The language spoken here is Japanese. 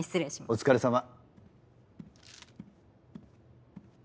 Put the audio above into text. お疲れさま。